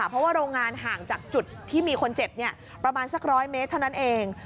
เพราะว่าโรงงานห่างจากจุดที่มีคนเจ็บประมาณสัก๑๐๐เมตรเท่านั้นเอง